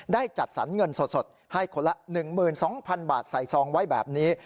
จัดสรรเงินสดให้คนละ๑๒๐๐๐บาทใส่ซองไว้แบบนี้